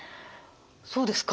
そうですか。